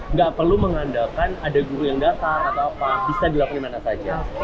nggak perlu mengandalkan ada guru yang datang atau apa bisa dilakukan dimana saja